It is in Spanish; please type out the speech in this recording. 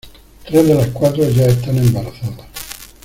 Tres de las cuatro ya están embarazadas.